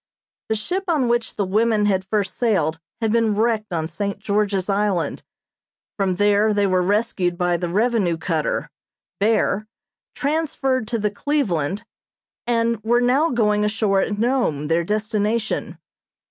The ship on which the women had first sailed had been wrecked on St. George's Island; from there they were rescued by the revenue cutter "Bear," transferred to the "Cleveland," and were now going ashore at Nome, their destination.